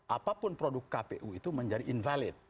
apapun produk kpu itu menjadi invalid